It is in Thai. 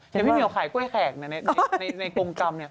แต่พี่เหมียวขายกล้วยแขกในกรุงกรรมนี่